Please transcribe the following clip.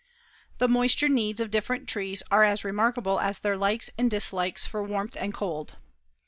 The moisture needs of different trees are as remarkable as their likes and dislikes for warmth and cold.